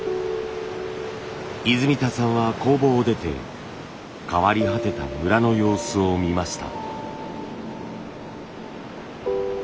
泉田さんは工房を出て変わり果てた村の様子を見ました。